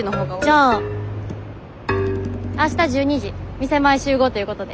じゃあ明日１２時店前集合ということで。